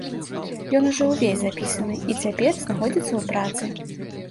Ён ужо ўвесь запісаны і цяпер знаходзіцца ў працы.